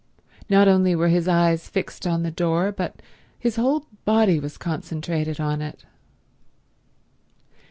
Not only were his eyes fixed on the door but his whole body was concentrated on it.